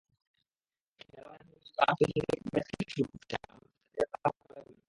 খেলোয়াড়েরা নিয়মিত আন্তর্জাতিক ম্যাচ খেলার সুযোগ পাচ্ছে, আমরা যেটা পেতাম কালেভদ্রে।